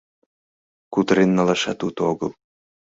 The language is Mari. — Кутырен налашат уто огыл...